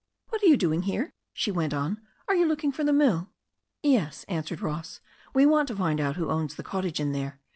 "What are you doing here ?" she went on^ "Arc you look ing for the mill?" "Yes," answered Ross. "We want to find out who owns the cottage in there.